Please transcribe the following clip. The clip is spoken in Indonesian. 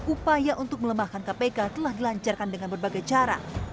upaya untuk melemahkan kpk telah dilancarkan dengan berbagai cara